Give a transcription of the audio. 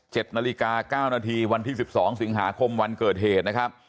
เจ็บนาฬิกา๙นาทีวันที่๑๒สิงหาคมวันเกิดเหตุนะครับ